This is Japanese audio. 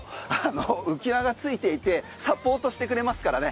浮輪がついていてサポートしてくれますからね。